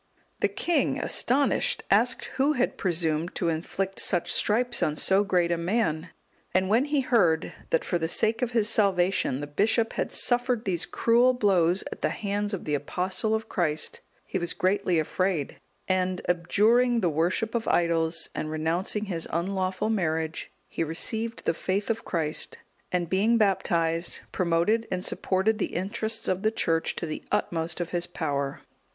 The king, astonished, asked who had presumed to inflict such stripes on so great a man. And when he heard that for the sake of his salvation the bishop had suffered these cruel blows at the hands of the Apostle of Christ, he was greatly afraid; and abjuring the worship of idols, and renouncing his unlawful marriage, he received the faith of Christ, and being baptized, promoted and supported the interests of the Church to the utmost of his power.